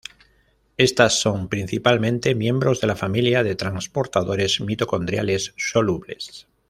Estas son principalmente miembros de la familia de transportadores mitocondriales solubles.